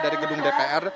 dari gedung dpr